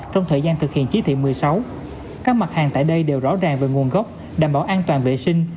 trong thời gian thực hiện chí thị một mươi sáu các mặt hàng tại đây đều rõ ràng về nguồn gốc đảm bảo an toàn vệ sinh